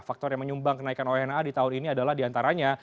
faktor yang menyumbang kenaikan wna di tahun ini adalah diantaranya